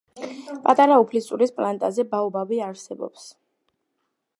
პატარა უფლისწულის პლანეტაზე ბაობაბი არსებობს.